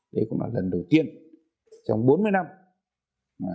họ nhắc đến việt nam